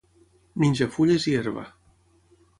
Menja fulles i herba.